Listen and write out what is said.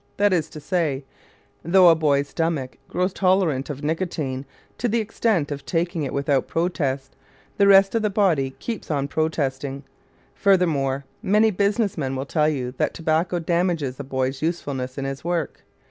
That is to say, though a boy's stomach grows tolerant of nicotine to the extent of taking it without protest, the rest of the body keeps on protesting. Furthermore, many business men will tell you that tobacco damages a boy's usefulness in his work.